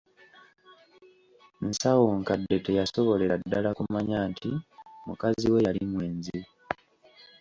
Nsawonkadde teyasobolera ddala kumanya nti mukazi we yali mwenzi.